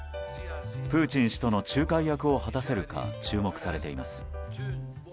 プーチン氏との仲介役を果たせるか注目されています。